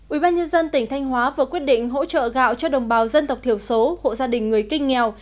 ubnd tỉnh thanh hóa vừa quyết định hỗ trợ gạo cho đồng bào dân tộc thiểu số hộ gia đình người kinh nghèo